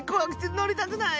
のりたくない！